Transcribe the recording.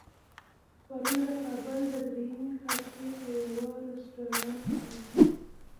پرون د کابل د درېیمې کارتې په يوه رستورانت کې.